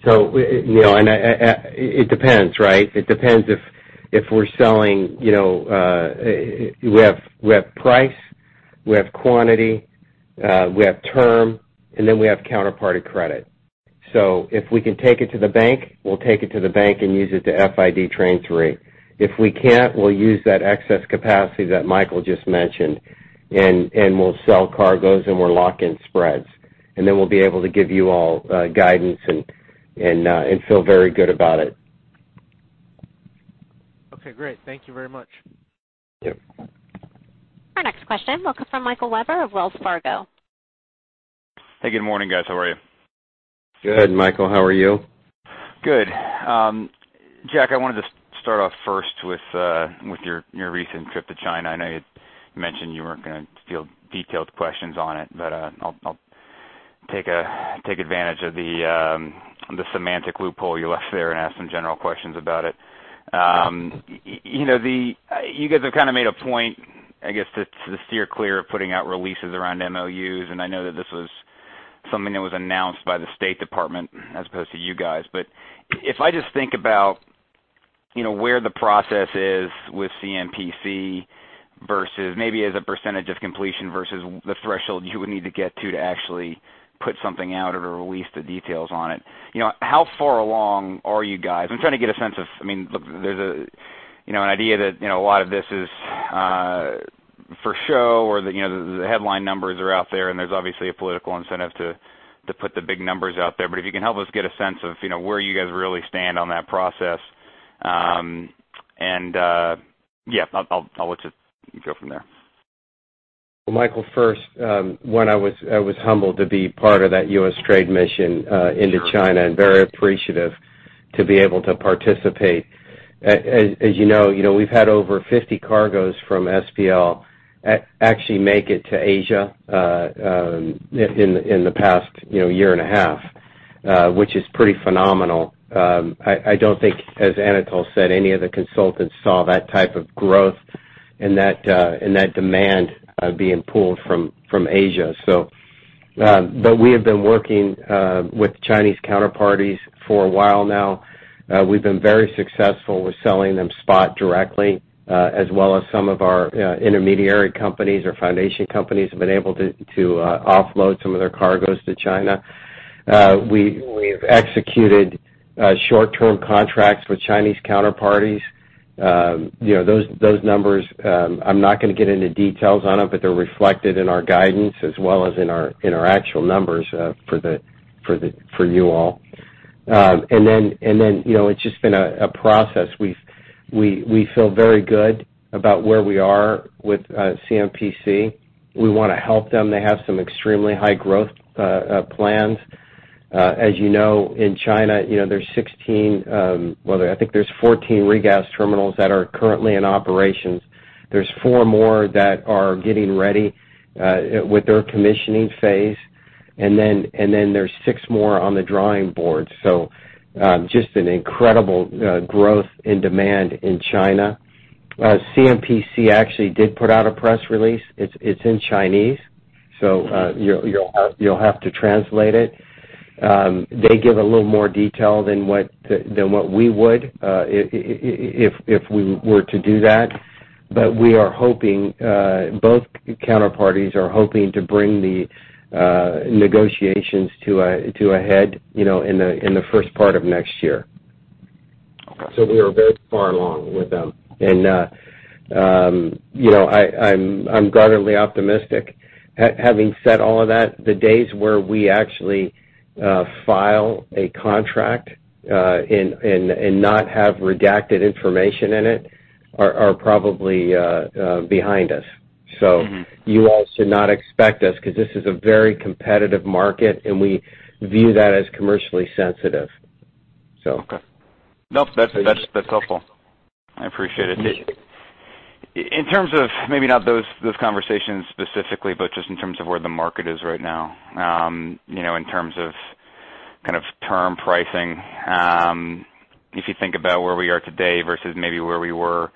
Speaker 3: It depends, right? It depends if we're We have price, we have quantity, we have term, we have counterparty credit. If we can take it to the bank, we'll take it to the bank and use it to FID Train 3. If we can't, we'll use that excess capacity that Michael just mentioned, we'll sell cargoes and we'll lock in spreads. We'll be able to give you all guidance and feel very good about it.
Speaker 7: Okay, great. Thank you very much.
Speaker 3: Yep.
Speaker 1: Our next question will come from Michael Webber of Wells Fargo.
Speaker 8: Hey, good morning, guys. How are you?
Speaker 3: Good, Michael. How are you?
Speaker 8: Good. Jack, I wanted to start off first with your recent trip to China. I know you mentioned you weren't going to field detailed questions on it, but I'll take advantage of the semantic loophole you left there and ask some general questions about it.
Speaker 3: Yeah.
Speaker 8: You guys have kind of made a point, I guess, to steer clear of putting out releases around MOUs. I know that this was something that was announced by the State Department as opposed to you guys. If I just think about where the process is with CNPC versus maybe as a percentage of completion versus the threshold you would need to get to to actually put something out or release the details on it. How far along are you guys? I'm trying to get a sense. There's an idea that a lot of this is for show or the headline numbers are out there, and there's obviously a political incentive to put the big numbers out there. If you can help us get a sense of where you guys really stand on that process. Yeah, I'll let you go from there.
Speaker 3: Michael, first, I was humbled to be part of that U.S. trade mission into China and very appreciative to be able to participate. As you know, we've had over 50 cargoes from SPL actually make it to Asia in the past year and a half, which is pretty phenomenal. I don't think, as Anatol said, any of the consultants saw that type of growth and that demand being pulled from Asia. We have been working with Chinese counterparties for a while now. We've been very successful with selling them spot directly, as well as some of our intermediary companies or foundation companies have been able to offload some of their cargoes to China. We've executed short-term contracts with Chinese counterparties. Those numbers, I'm not going to get into details on them, but they're reflected in our guidance as well as in our actual numbers for you all. It's just been a process. We feel very good about where we are with CNPC. We want to help them. They have some extremely high growth plans. As you know, in China, I think there's 14 regas terminals that are currently in operations. There's four more that are getting ready with their commissioning phase. There's six more on the drawing board. Just an incredible growth in demand in China. CNPC actually did put out a press release. It's in Chinese. You'll have to translate it. They give a little more detail than what we would if we were to do that. Both counterparties are hoping to bring the negotiations to a head in the first part of next year. We are very far along with them. I'm guardedly optimistic. Having said all of that, the days where we actually file a contract and not have redacted information in it are probably behind us. You all should not expect us, because this is a very competitive market, and we view that as commercially sensitive.
Speaker 8: Okay. No, that's helpful. I appreciate it.
Speaker 3: Yeah.
Speaker 8: In terms of maybe not those conversations specifically, but just in terms of where the market is right now, in terms of term pricing. If you think about where we are today versus maybe where we were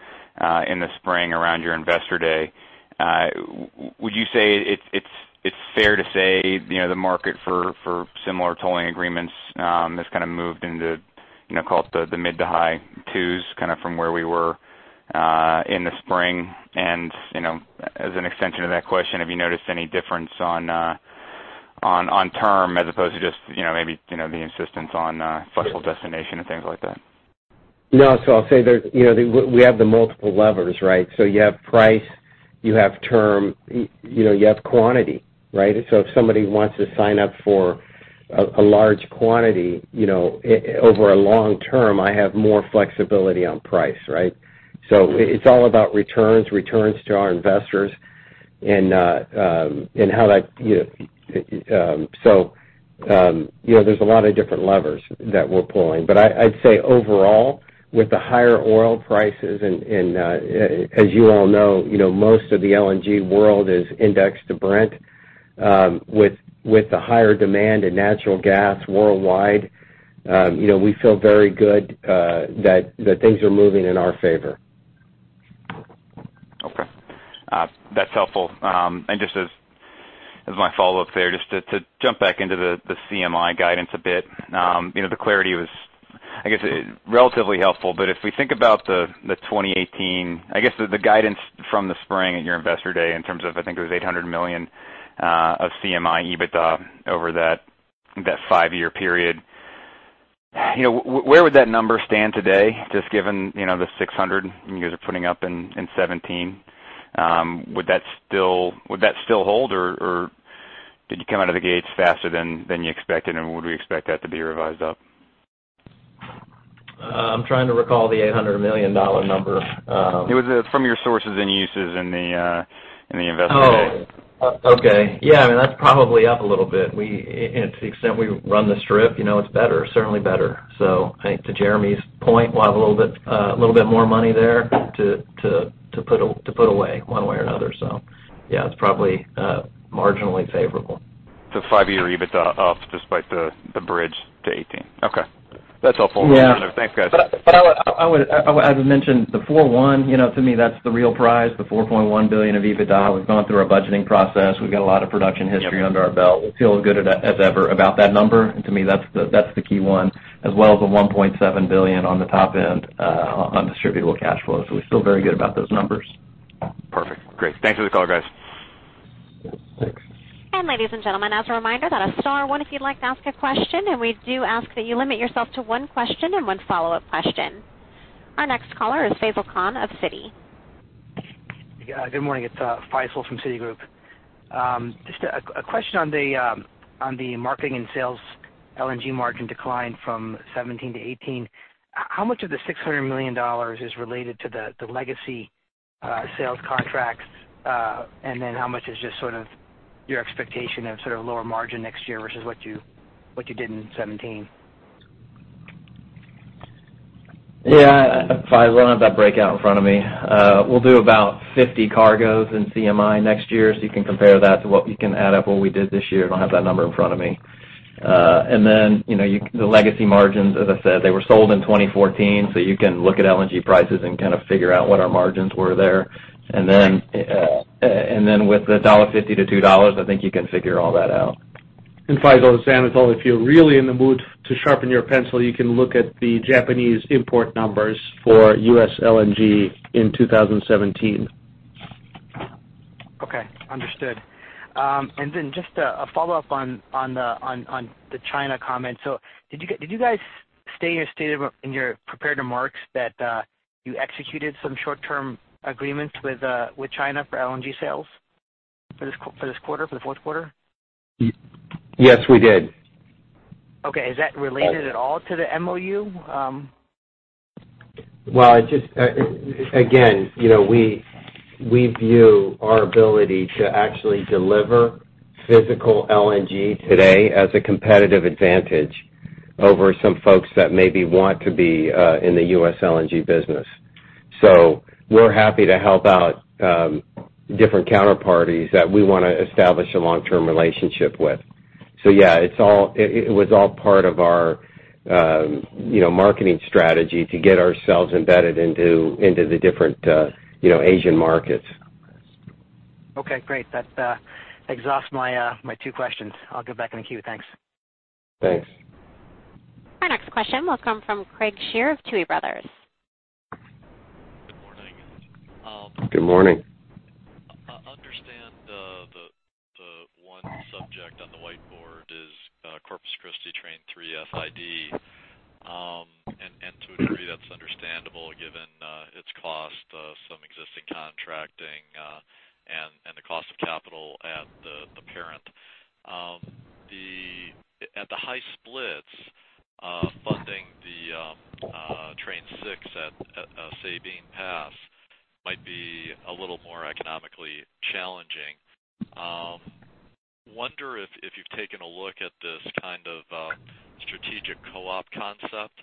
Speaker 8: in the spring around your Investor Day, would you say it's fair to say the market for similar tolling agreements has moved into call it the mid to high twos from where we were in the spring? As an extension to that question, have you noticed any difference on term as opposed to just maybe the insistence on flexible destination and things like that?
Speaker 3: No. I'll say that we have the multiple levers, right? You have price, you have term, you have quantity, right? If somebody wants to sign up for a large quantity over a long term, I have more flexibility on price, right? It's all about returns to our investors and how that There's a lot of different levers that we're pulling. I'd say overall, with the higher oil prices, and as you all know, most of the LNG world is indexed to Brent. With the higher demand in natural gas worldwide, we feel very good that things are moving in our favor.
Speaker 8: Okay. That's helpful. Just as my follow-up there, just to jump back into the CMI guidance a bit. The clarity was, I guess, relatively helpful. If we think about the 2018, I guess, the guidance from the spring at your Investor Day in terms of, I think it was $800 million of CMI EBITDA over that five-year period. Where would that number stand today, just given the $600 million you guys are putting up in 2017? Would that still hold, or did you come out of the gates faster than you expected, and would we expect that to be revised up?
Speaker 5: I'm trying to recall the $800 million number.
Speaker 8: It was from your sources and uses in the Investor Day.
Speaker 5: Okay. Yeah, that's probably up a little bit. To the extent we run the strip, it's better, certainly better. I think to Jeremy Tonet's point, we'll have a little bit more money there to put away one way or another. Yeah, it's probably marginally favorable.
Speaker 8: The five-year EBITDA up despite the bridge to 2018. Okay. That's helpful.
Speaker 5: Yeah.
Speaker 8: Thanks, guys.
Speaker 5: I would mention the 4.1, to me, that's the real prize, the $4.1 billion of EBITDA. We've gone through our budgeting process. We've got a lot of production history under our belt. We feel as good as ever about that number. To me, that's the key one, as well as the $1.7 billion on the top end on distributable cash flow. We feel very good about those numbers.
Speaker 8: Perfect. Great. Thanks for the call, guys.
Speaker 3: Thanks.
Speaker 1: Ladies and gentlemen, as a reminder, dial star one if you'd like to ask a question, and we do ask that you limit yourself to one question and one follow-up question. Our next caller is Faisel Khan of Citi.
Speaker 9: Good morning. It's Faisel from Citigroup. Just a question on the marketing and sales LNG margin decline from 2017 to 2018. How much of the $600 million is related to the legacy sales contracts? How much is just your expectation of lower margin next year versus what you did in 2017?
Speaker 5: Yeah. Faisel, I don't have that breakout in front of me. We'll do about 50 cargoes in CMI next year, you can compare that to what we can add up what we did this year. I don't have that number in front of me. The legacy margins, as I said, they were sold in 2014, you can look at LNG prices and kind of figure out what our margins were there. With the $1.50-$2, I think you can figure all that out.
Speaker 4: Faisel, this is Anatol. If you're really in the mood to sharpen your pencil, you can look at the Japanese import numbers for U.S. LNG in 2017.
Speaker 9: Okay. Understood. Just a follow-up on the China comment. Did you guys state in your prepared remarks that you executed some short-term agreements with China for LNG sales for this quarter, for the fourth quarter?
Speaker 3: Yes, we did.
Speaker 9: Okay. Is that related at all to the MOU?
Speaker 3: Again, we view our ability to actually deliver physical LNG today as a competitive advantage over some folks that maybe want to be in the U.S. LNG business. We're happy to help out different counterparties that we want to establish a long-term relationship with. Yeah, it was all part of our marketing strategy to get ourselves embedded into the different Asian markets.
Speaker 9: Okay, great. That exhausts my two questions. I'll go back in the queue. Thanks.
Speaker 3: Thanks.
Speaker 1: Our next question will come from Craig Shere of Tuohy Brothers.
Speaker 10: Good morning.
Speaker 3: Good morning.
Speaker 10: I understand the one subject on the whiteboard is Corpus Christi Train 3 FID. To a degree, that's understandable given its cost, some existing contracting, and the cost of capital at the parent. At the high splits, funding the Train 6 at Sabine Pass might be a little more economically challenging. Wonder if you've taken a look at this kind of strategic co-op concept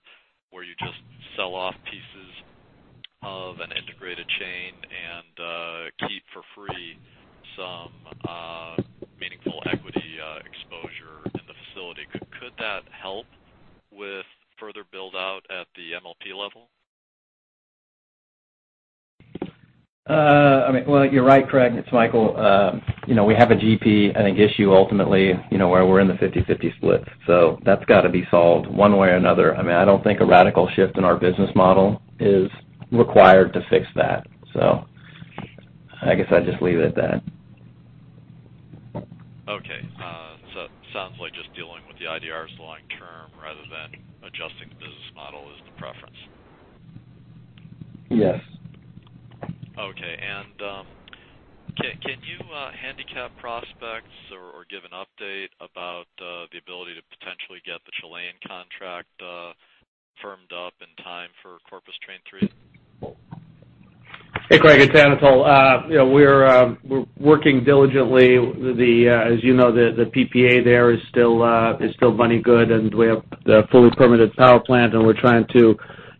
Speaker 10: where you just sell off pieces of an integrated chain and keep for free some meaningful equity exposure in the facility. Could that help with further build-out at the MLP level?
Speaker 5: You're right, Craig. It's Michael. We have a GP, I think, issue ultimately, where we're in the 50-50 split. That's got to be solved one way or another. I don't think a radical shift in our business model is required to fix that. I guess I'd just leave it at that.
Speaker 10: Okay. Sounds like just dealing with the IDRs long term rather than adjusting the business model is the preference.
Speaker 3: Yes.
Speaker 10: Okay. Can you handicap prospects or give an update about the ability to potentially get the Chilean contract firmed up in time for Corpus Train 3?
Speaker 4: Hey Craig, it's Anatol. We're working diligently. As you know, the PPA there is still money good, we have the fully permitted power plant, we're trying to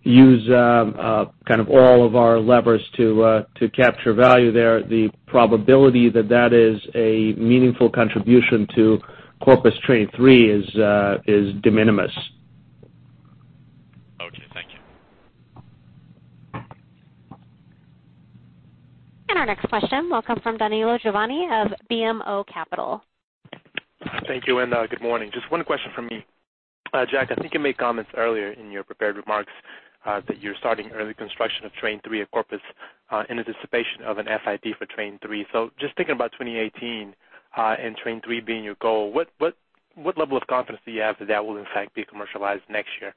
Speaker 4: use all of our levers to capture value there. The probability that that is a meaningful contribution to Corpus Train 3 is de minimis.
Speaker 10: Okay, thank you.
Speaker 1: Our next question will come from Danilo Giovanni of BMO Capital.
Speaker 11: Thank you, and good morning. Just one question from me. Jack, I think you made comments earlier in your prepared remarks that you're starting early construction of Train 3 at Corpus in anticipation of an FID for Train 3. Just thinking about 2018 and Train 3 being your goal, what level of confidence do you have that that will in fact be commercialized next year?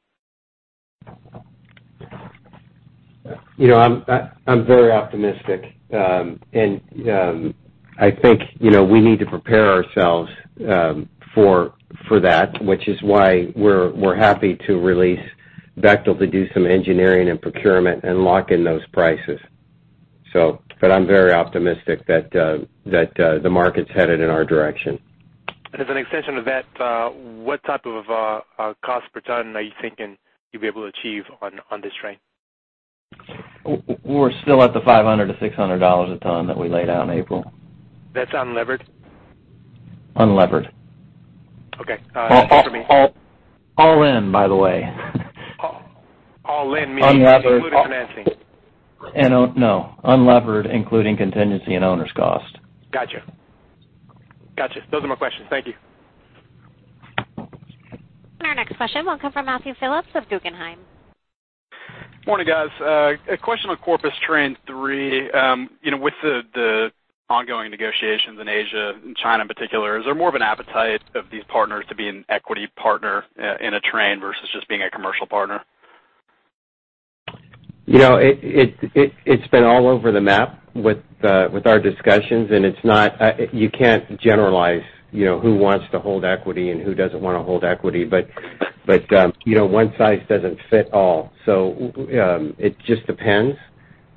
Speaker 3: I'm very optimistic. I think we need to prepare ourselves for that, which is why we're happy to release Bechtel to do some engineering and procurement and lock in those prices. I'm very optimistic that the market's headed in our direction.
Speaker 11: As an extension of that, what type of cost per ton are you thinking you'll be able to achieve on this train?
Speaker 5: We're still at the $500-$600 a ton that we laid out in April.
Speaker 11: That's unlevered?
Speaker 5: Unlevered.
Speaker 11: Okay.
Speaker 5: All in, by the way.
Speaker 11: All in meaning-
Speaker 5: Unlevered-
Speaker 11: including financing?
Speaker 5: No. Unlevered including contingency and owner's cost.
Speaker 11: Gotcha. Those are my questions. Thank you.
Speaker 1: Our next question will come from Matthew Phillips of Guggenheim.
Speaker 12: Morning, guys. A question on Corpus Train 3. With the ongoing negotiations in Asia, in China in particular, is there more of an appetite of these partners to be an equity partner in a train versus just being a commercial partner?
Speaker 3: It's been all over the map with our discussions, you can't generalize who wants to hold equity and who doesn't want to hold equity. One size doesn't fit all. It just depends.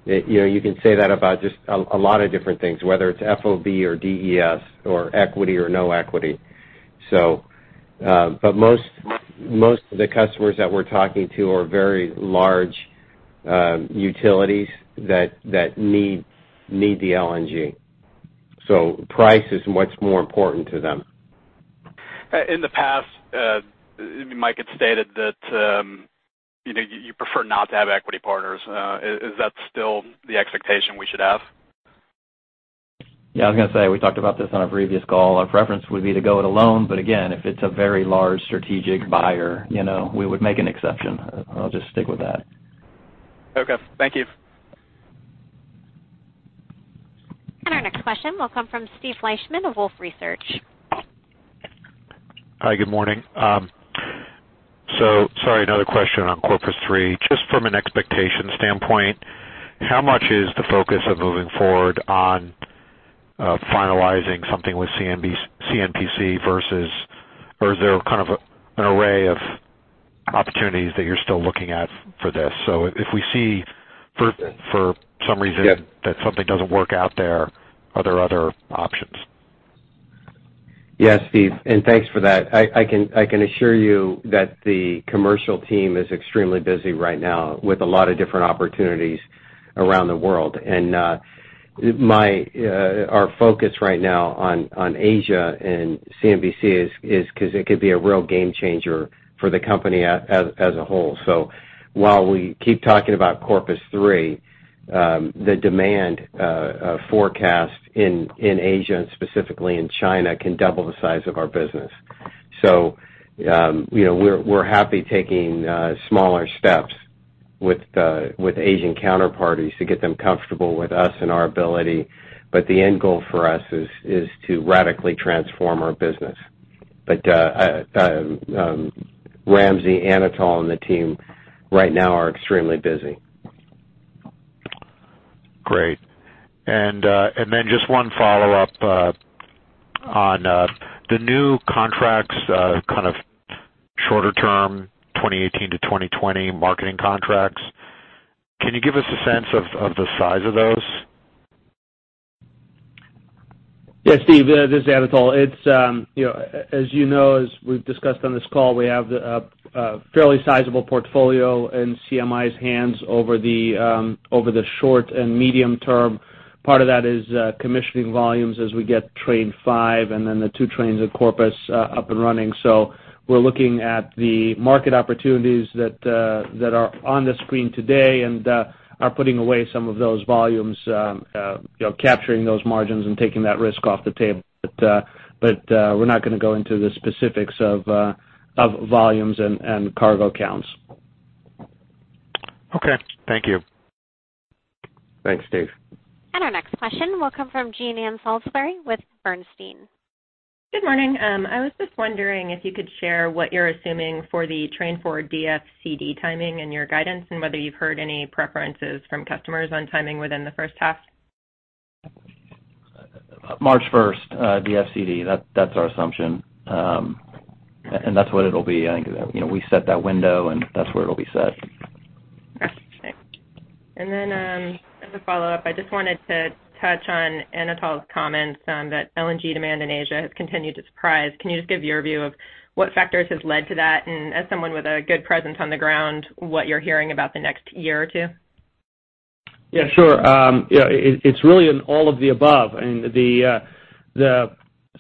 Speaker 3: You can say that about just a lot of different things, whether it's FOB or DES or equity or no equity. Most of the customers that we're talking to are very large utilities that need the LNG. Price is much more important to them.
Speaker 12: In the past, Mike had stated that you prefer not to have equity partners. Is that still the expectation we should have?
Speaker 5: Yeah, I was going to say, we talked about this on a previous call. Our preference would be to go it alone. Again, if it's a very large strategic buyer, we would make an exception. I'll just stick with that.
Speaker 12: Okay. Thank you.
Speaker 1: Our next question will come from Steve Fleishman of Wolfe Research.
Speaker 13: Hi, good morning. Sorry, another question on Corpus 3. Just from an expectation standpoint, how much is the focus of moving forward on finalizing something with CNPC or is there kind of an array of opportunities that you're still looking at for this? If we see for some reason-
Speaker 3: Yes
Speaker 13: that something doesn't work out there, are there other options?
Speaker 3: Yes, Steve, thanks for that. I can assure you that the commercial team is extremely busy right now with a lot of different opportunities around the world. Our focus right now on Asia and CNPC is because it could be a real game changer for the company as a whole. While we keep talking about Corpus 3, the demand forecast in Asia and specifically in China can double the size of our business. We're happy taking smaller steps with Asian counterparties to get them comfortable with us and our ability. The end goal for us is to radically transform our business. Ramsay, Anatol, and the team right now are extremely busy.
Speaker 13: Great. Then just one follow-up on the new contracts, kind of shorter term, 2018 to 2020 marketing contracts. Can you give us a sense of the size of those?
Speaker 4: Yes, Steve, this is Anatol. As you know, as we've discussed on this call, we have a fairly sizable portfolio in CMI's hands over the short and medium term. Part of that is commissioning volumes as we get Train 5 and then the two trains at Corpus up and running. We're looking at the market opportunities that are on the screen today and are putting away some of those volumes, capturing those margins and taking that risk off the table. We're not going to go into the specifics of volumes and cargo counts.
Speaker 13: Okay. Thank you.
Speaker 3: Thanks, Steve.
Speaker 1: Our next question will come from Jean Ann Salisbury with Bernstein.
Speaker 14: Good morning. I was just wondering if you could share what you're assuming for the Train 4 DFCD timing in your guidance and whether you've heard any preferences from customers on timing within the first half.
Speaker 3: March 1st, DFCD. That's our assumption. That's what it'll be. I think we set that window, that's where it'll be set.
Speaker 14: Okay. As a follow-up, I just wanted to touch on Anatol's comments that LNG demand in Asia has continued to surprise. Can you just give your view of what factors have led to that? As someone with a good presence on the ground, what you're hearing about the next year or two?
Speaker 4: Yeah, sure. It's really an all of the above. I mean, the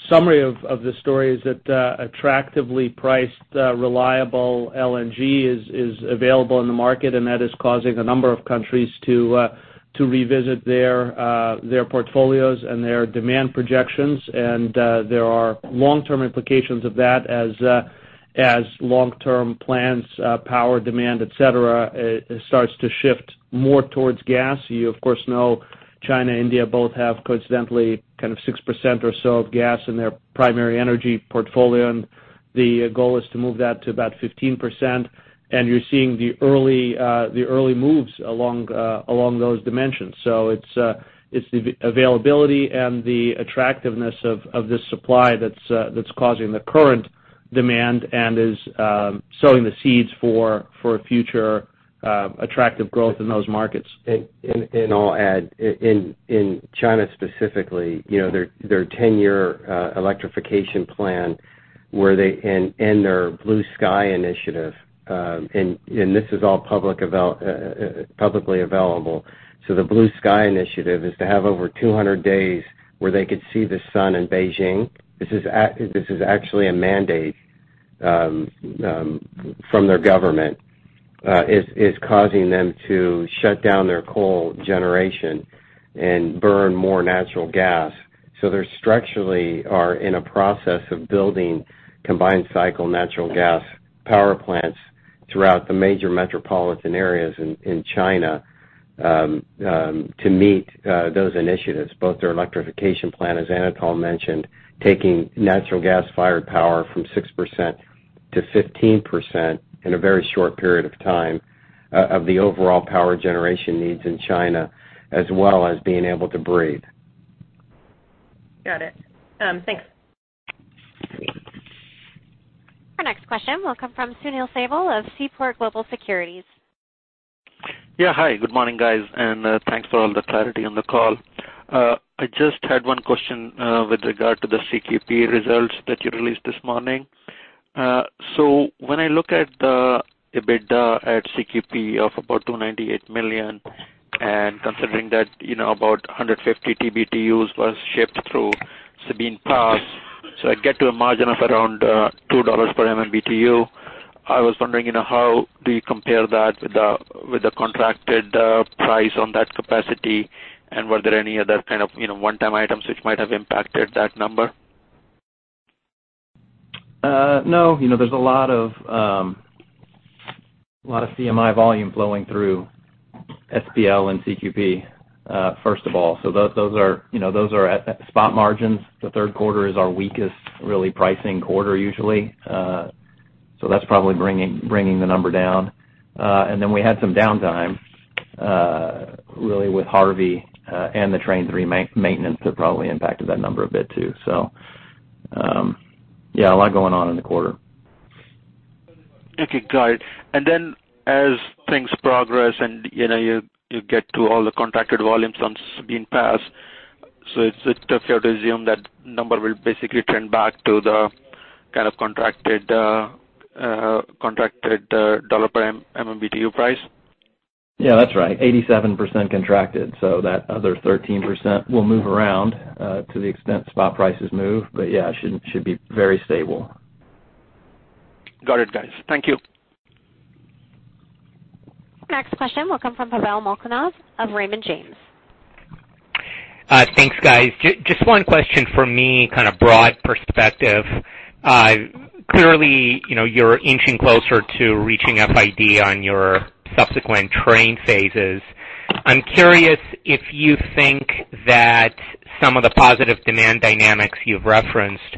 Speaker 4: summary of the story is that attractively priced, reliable LNG is available in the market, that is causing a number of countries to revisit their portfolios and their demand projections. There are long-term implications of that as long-term plans, power demand, et cetera, starts to shift more towards gas. You of course know China, India both have coincidentally kind of 6% or so of gas in their primary energy portfolio, the goal is to move that to about 15%. You're seeing the early moves along those dimensions. It's the availability and the attractiveness of this supply that's causing the current demand and is sowing the seeds for future attractive growth in those markets.
Speaker 3: I'll add, in China specifically, their 10-year electrification plan and their Blue Sky Initiative, this is all publicly available. The Blue Sky Initiative is to have over 200 days where they could see the sun in Beijing. This is actually a mandate from their government. It's causing them to shut down their coal generation and burn more natural gas. They structurally are in a process of building combined cycle natural gas power plants throughout the major metropolitan areas in China to meet those initiatives, both their electrification plan, as Anatol mentioned, taking natural gas-fired power from 6% to 15% in a very short period of time of the overall power generation needs in China, as well as being able to breathe.
Speaker 14: Got it. Thanks.
Speaker 1: Our next question will come from Sunil Sibal of Seaport Global Securities.
Speaker 15: Yeah. Hi, good morning, guys, and thanks for all the clarity on the call. I just had one question with regard to the CQP results that you released this morning. When I look at the EBITDA at CQP of about $298 million and considering that about 150 TBtu was shipped through Sabine Pass, I get to a margin of around $2 per MMBtu. I was wondering, how do you compare that with the contracted price on that capacity? Were there any other kind of one-time items which might have impacted that number?
Speaker 3: No. There's a lot of CMI volume flowing through SPL and CQP, first of all. Those are at spot margins. The third quarter is our weakest, really, pricing quarter usually. That's probably bringing the number down. Then we had some downtime really with Hurricane Harvey and the Train 3 maintenance that probably impacted that number a bit too. Yeah, a lot going on in the quarter.
Speaker 15: Okay, got it. As things progress and you get to all the contracted volumes on Sabine Pass, is it fair to assume that number will basically trend back to the kind of contracted $ per MMBtu price?
Speaker 3: Yeah, that's right. 87% contracted, that other 13% will move around to the extent spot prices move. Yeah, it should be very stable.
Speaker 15: Got it, guys. Thank you.
Speaker 1: Next question will come from Pavel Molchanov of Raymond James.
Speaker 16: Thanks, guys. Just one question from me, kind of broad perspective. Clearly, you're inching closer to reaching FID on your subsequent train phases. I'm curious if you think that some of the positive demand dynamics you've referenced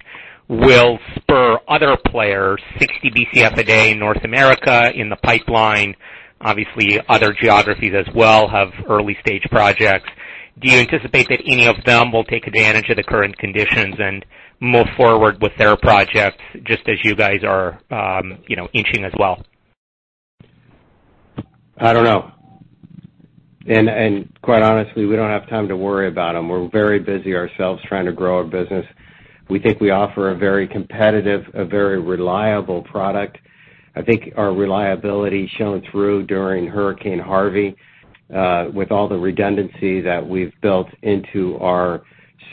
Speaker 16: will spur other players, 60 BCF a day in North America in the pipeline. Obviously, other geographies as well have early-stage projects. Do you anticipate that any of them will take advantage of the current conditions and move forward with their projects just as you guys are inching as well?
Speaker 3: I don't know. Quite honestly, we don't have time to worry about them. We're very busy ourselves trying to grow our business. We think we offer a very competitive, a very reliable product. I think our reliability shown through during Hurricane Harvey. With all the redundancy that we've built into our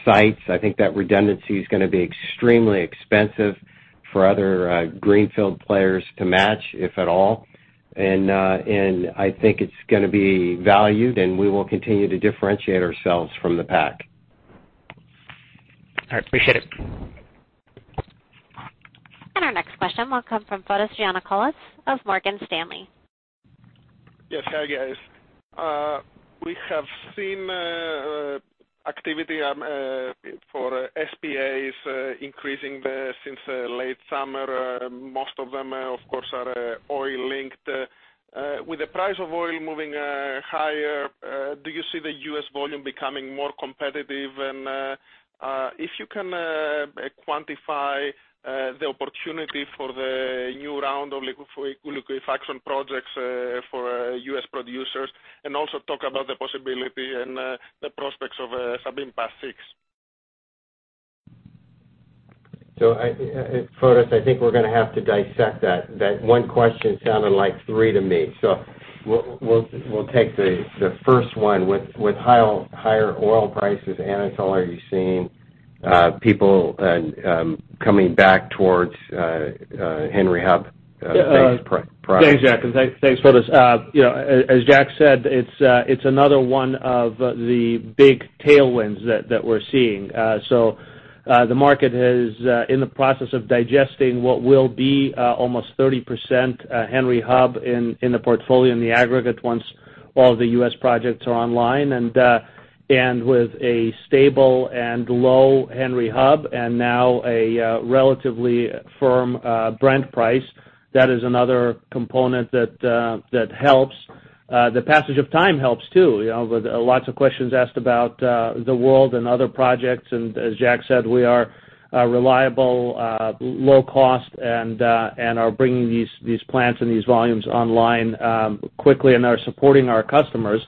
Speaker 3: sites. I think that redundancy is going to be extremely expensive for other greenfield players to match, if at all. I think it's going to be valued, and we will continue to differentiate ourselves from the pack.
Speaker 16: All right. Appreciate it.
Speaker 1: Our next question will come from Fotis Giannakoulis of Morgan Stanley.
Speaker 17: Yes. Hi, guys. We have seen activity for SPAs increasing there since late summer. Most of them are, of course, are oil-linked. With the price of oil moving higher, do you see the U.S. volume becoming more competitive? And if you can quantify the opportunity for the new round of liquefaction projects for U.S. producers, and also talk about the possibility and the prospects of Sabine Pass 6.
Speaker 3: Fotis, I think we're going to have to dissect that. That one question sounded like three to me. We'll take the first one. With higher oil prices, Anatol, are you seeing people coming back towards Henry Hub-based products?
Speaker 4: Thanks, Jack, and thanks, Fotis. As Jack said, it's another one of the big tailwinds that we're seeing. The market is in the process of digesting what will be almost 30% Henry Hub in the portfolio, in the aggregate, once all the U.S. projects are online. With a stable and low Henry Hub and now a relatively firm Brent price, that is another component that helps. The passage of time helps too. With lots of questions asked about the world and other projects, and as Jack said, we are a reliable low-cost and are bringing these plants and these volumes online quickly and are supporting our customers.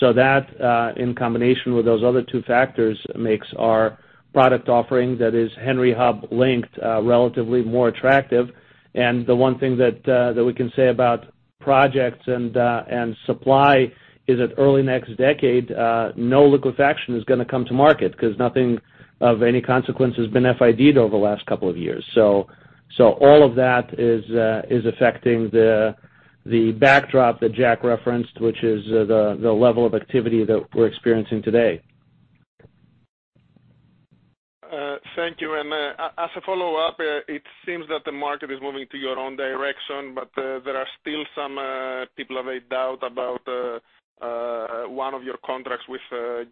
Speaker 4: That, in combination with those other two factors, makes our product offering that is Henry Hub linked relatively more attractive. The one thing that we can say about projects and supply is that early next decade, no liquefaction is going to come to market because nothing of any consequence has been FID'd over the last couple of years. All of that is affecting the backdrop that Jack referenced, which is the level of activity that we're experiencing today.
Speaker 17: Thank you. As a follow-up, it seems that the market is moving to your own direction, but there are still some people have a doubt about one of your contracts with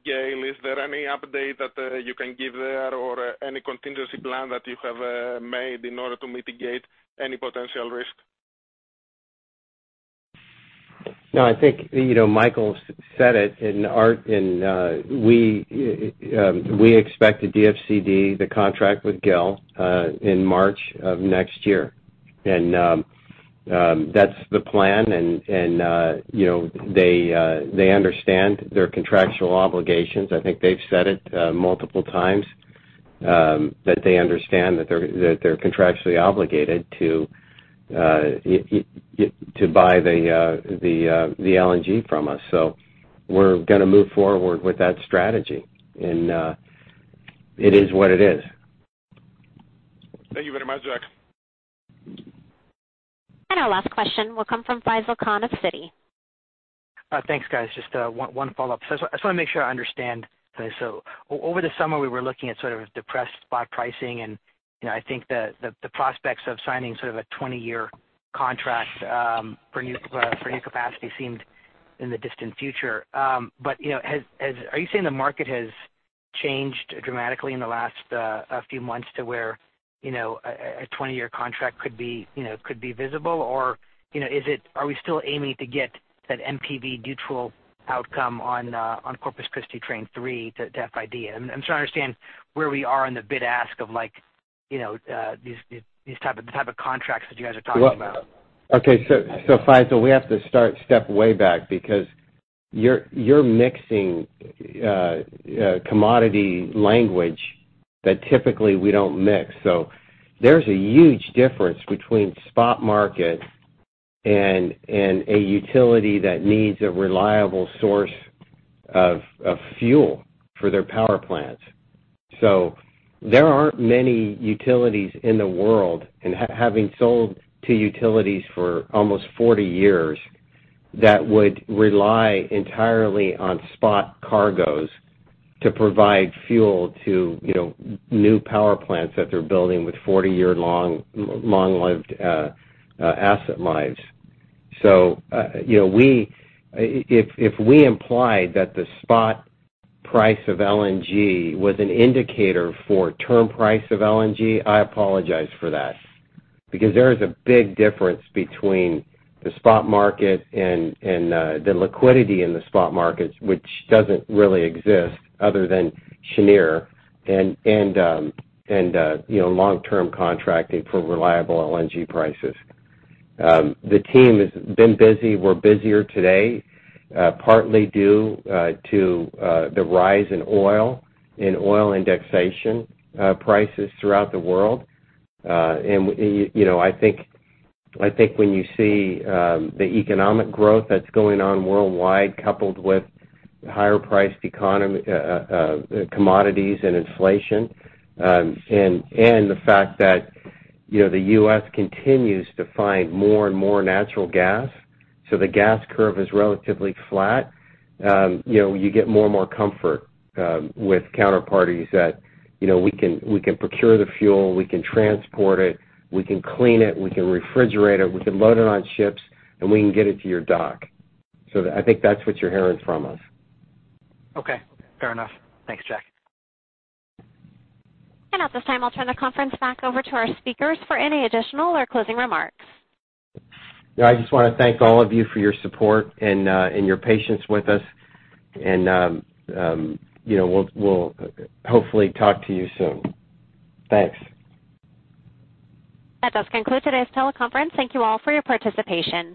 Speaker 17: GAIL. Is there any update that you can give there or any contingency plan that you have made in order to mitigate any potential risk?
Speaker 3: No, I think Michael Wortley said it. We expect to DFCD the contract with GAIL in March of next year. That's the plan, and they understand their contractual obligations. I think they've said it multiple times that they understand that they're contractually obligated to buy the LNG from us. We're going to move forward with that strategy. It is what it is.
Speaker 17: Thank you very much, Jack Fusco.
Speaker 1: Our last question will come from Faisel Khan of Citi.
Speaker 9: Thanks, guys. Just one follow-up. I just want to make sure I understand this. Over the summer, we were looking at sort of depressed spot pricing, and I think the prospects of signing sort of a 20-year contract for new capacity seemed in the distant future. Are you saying the market has changed dramatically in the last few months to where a 20-year contract could be visible? Are we still aiming to get that NPV neutral outcome on Corpus Christi train 3 to FID? I'm trying to understand where we are in the bid-ask of these type of contracts that you guys are talking about.
Speaker 3: Okay. Faisel, we have to start step way back because you're mixing commodity language that typically we don't mix. There's a huge difference between spot market and a utility that needs a reliable source of fuel for their power plants. There aren't many utilities in the world, and having sold to utilities for almost 40 years, that would rely entirely on spot cargoes to provide fuel to new power plants that they're building with 40-year long-lived asset lives. If we implied that the spot price of LNG was an indicator for term price of LNG, I apologize for that. There is a big difference between the spot market and the liquidity in the spot markets, which doesn't really exist other than Cheniere and long-term contracting for reliable LNG prices. The team has been busy. We're busier today, partly due to the rise in oil, in oil indexation prices throughout the world. I think when you see the economic growth that's going on worldwide, coupled with higher priced commodities and inflation, and the fact that the U.S. continues to find more and more natural gas, so the gas curve is relatively flat. You get more and more comfort with counterparties that we can procure the fuel, we can transport it, we can clean it, we can refrigerate it, we can load it on ships, and we can get it to your dock. I think that's what you're hearing from us.
Speaker 9: Okay, fair enough. Thanks, Jack.
Speaker 1: At this time, I'll turn the conference back over to our speakers for any additional or closing remarks.
Speaker 3: I just want to thank all of you for your support and your patience with us. We'll hopefully talk to you soon. Thanks.
Speaker 1: That does conclude today's teleconference. Thank you all for your participation.